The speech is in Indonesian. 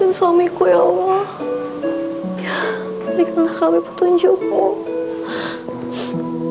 ya terus homisme saya cepatin aja lokasi saya weer sama teman teman babi saya yang buat barang barang presiden berda aumentar diri consists for nothing